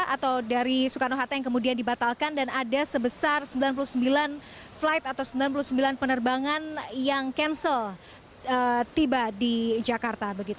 atau dari soekarno hatta yang kemudian dibatalkan dan ada sebesar sembilan puluh sembilan flight atau sembilan puluh sembilan penerbangan yang cancel tiba di jakarta